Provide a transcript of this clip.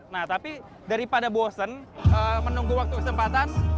nah tapi daripada bosen menunggu waktu kesempatan